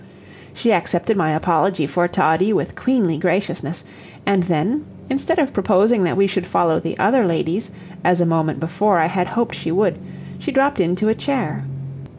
She accepted my apology for Toddie with queenly graciousness, and then, instead of proposing that we should follow the other ladies, as a moment before I had hoped she would, she dropped into a chair.